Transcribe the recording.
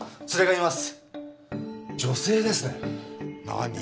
何？